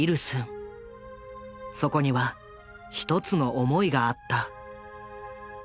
そこには１つの思いがあった。